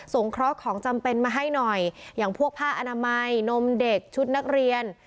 เคราะห์ของจำเป็นมาให้หน่อยอย่างพวกผ้าอนามัยนมเด็กชุดนักเรียน